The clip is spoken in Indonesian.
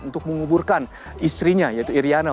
untuk menguburkan istrinya yaitu iryana